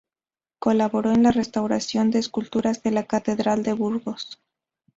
Colaboró en la restauración de esculturas de la catedral de Burgos.